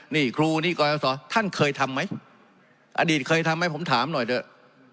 นี่ครูนี่กรศท่านเคยทำไหมอดีตเคยทำไหมผมถามหน่อยเถอะ